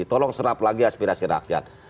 tolong serap lagi aspirasi rakyat